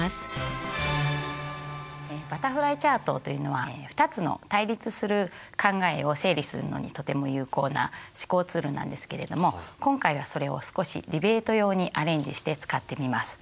バタフライチャートというのは２つの対立する考えを整理するのにとても有効な思考ツールなんですけれども今回はそれを少しディベート用にアレンジして使ってみます。